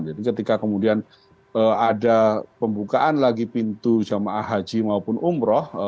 jadi ketika kemudian ada pembukaan lagi pintu jamaah haji maupun umroh